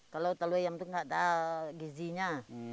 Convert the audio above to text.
kalau telur ayam itu enggak ada gizinya